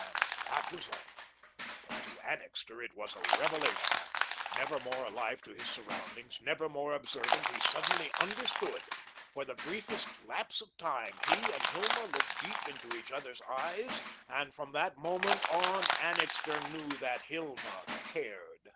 And that was all; but to Annixter it was a revelation. Never more alive to his surroundings, never more observant, he suddenly understood. For the briefest lapse of time he and Hilma looked deep into each other's eyes, and from that moment on, Annixter knew that Hilma cared.